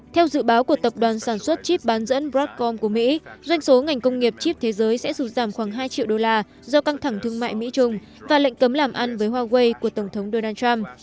theo dự báo của tập đoàn sản xuất chip bán dẫn bradcom của mỹ doanh số ngành công nghiệp chip thế giới sẽ sụt giảm khoảng hai triệu đô la do căng thẳng thương mại mỹ trung và lệnh cấm làm ăn với huawei của tổng thống donald trump